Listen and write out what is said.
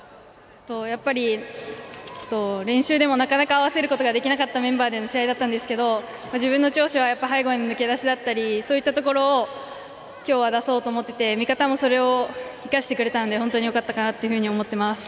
やっぱり、練習でもなかなか合わせることができなかったメンバーでの試合だったんですけど自分の調子は背後への抜け出しだったりそういったところを今日は出そうと思っていて見方もそれを生かしてくれたんで本当に良かったかなというふうに思っています。